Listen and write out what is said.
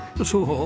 そう？